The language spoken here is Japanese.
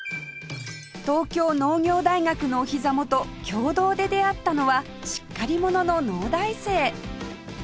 東京農業大学のおひざ元経堂で出会ったのはしっかり者の農大生